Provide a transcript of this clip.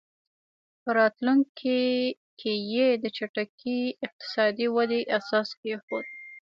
په راتلونکي کې یې د چټکې اقتصادي ودې اساس کېښود.